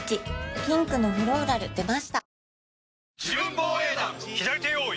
ピンクのフローラル出ました